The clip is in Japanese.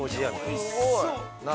◆おいしそう。